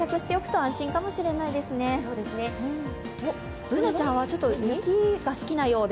Ｂｏｏｎａちゃんはちょっと雪が好きなようで。